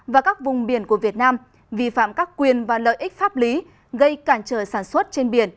và các vùng biển của việt nam vi phạm các quyền và lợi ích pháp lý gây cản trở sản xuất trên biển